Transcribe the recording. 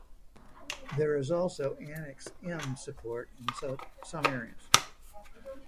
There is also Annex M support in some areas.